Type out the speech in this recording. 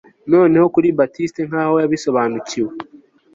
Noneho kuri Baptiste nkaho yabisobanukiwe